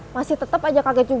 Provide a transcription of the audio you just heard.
masih tetep aja nanggung resiko